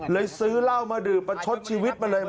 ซื้อเหล้ามาดื่มประชดชีวิตมาเลย